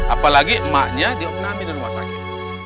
apalagi emaknya diopnami di rumah sakit